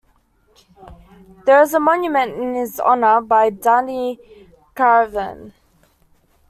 There is a monument in his honor, by Dani Karavan.